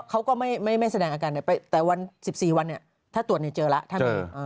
เขาก็ไม่แสดงอาการแต่วัน๑๔วันถ้าตรวจเจอแล้วถ้ามี